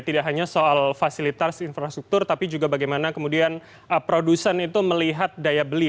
tidak hanya soal fasilitas infrastruktur tapi juga bagaimana kemudian produsen itu melihat daya beli